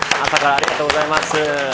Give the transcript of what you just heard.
ありがとうございます。